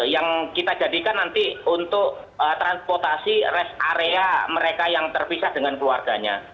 yang kita jadikan nanti untuk transportasi rest area mereka yang terpisah dengan keluarganya